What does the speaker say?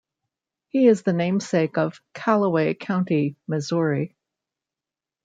He is the namesake of Callaway County, Missouri.